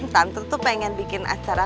tante tuh pengen bikin acara